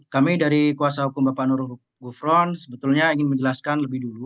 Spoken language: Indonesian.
kami dari kuasa hukum bapak nurul gufron sebetulnya ingin menjelaskan lebih dulu